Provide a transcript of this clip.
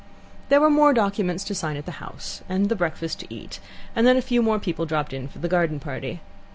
There were more documents to sign at the house, and the breakfast to eat, and then a few more people dropped in for the garden party.